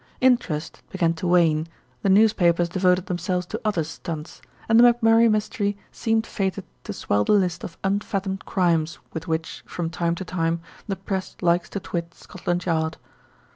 Interest began to wane, the newspapers devoted themselves to other "stunts," and the McMurray Mystery seemed fated to swell the list of unfathomed crimes with which, from time to time, the Press likes to twit Scotland Yard.